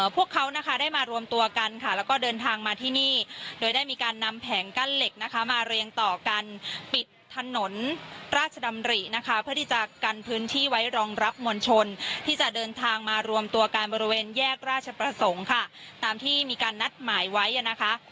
พวกเขานะคะได้มารวมตัวกันค่ะแล้วก็เดินทางมาที่นี่โดยได้มีการนำแผงกั้นเหล็กนะคะมาเรียงต่อกันปิดถนนราชดำรินะคะเพื่อที่จะกันพื้นที่ไว้รองรับมวลชนที่จะเดินทางมารวมตัวกันบริเวณแยกราชประสงค์ค่ะตามที่มีการนัดหมายไว้นะคะ